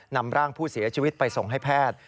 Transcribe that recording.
นำร่างผู้เสียชีวิตไปส่งให้แพทย์